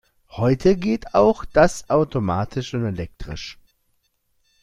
Heute geht auch das automatisch und elektrisch.